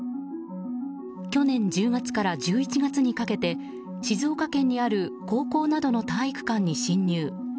去年１０月から１１月にかけて静岡県にある高校などの体育館に侵入。